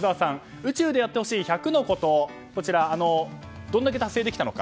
宇宙でやってほしい１００のことどれだけ達成できたのか。